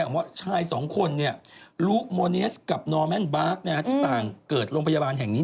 ว่าชายสองคนลุโมเนสกับนอร์แมนบาร์กที่ต่างเกิดโรงพยาบาลแห่งนี้